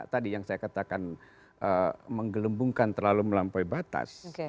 tadi yang saya katakan menggelembungkan terlalu melampaui batas